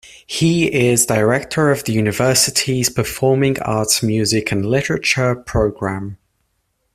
He is director of the university's Performing Arts Music and Literature Program.